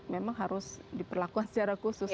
memang harus diperlakukan secara khusus